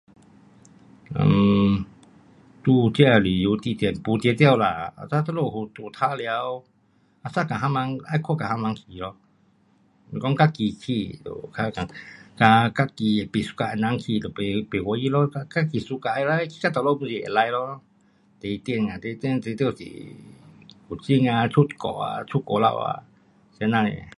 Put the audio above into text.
um 在哪旅游地点，没一定啦，asal 我们有玩耍，asal 跟谁人，要看谁人去咯，是讲自己去是较，较困，跟自己不 suka 的人去就甭，甭欢喜咯，跟自己 suka 的可以去那里 pun 是可以咯，地点啊，地点当然是古晋啊，出国，出外头啊，这样的